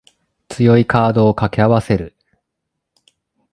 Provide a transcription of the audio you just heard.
強いカードを掛け合わせる